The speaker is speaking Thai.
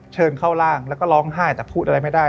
เชิญเข้าร่างแล้วก็ร้องไห้แต่พูดอะไรไม่ได้